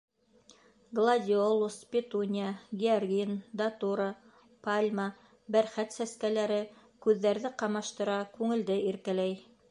Гладиолус, петунья, георгин, датура, пальма, бәрхәт сәскәләре күҙҙәрҙе ҡамаштыра, күңелде иркәләй.